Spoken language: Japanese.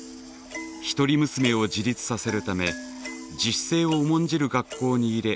一人娘を自立させるため自主性を重んじる学校に入れ